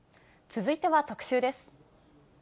続いては特集です。